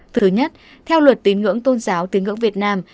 thứ nhất theo luật tín ngưỡng tôn giáo tín ngưỡng việt nam